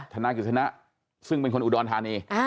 ทนายกฤษณะซึ่งเป็นคนอุดรธานี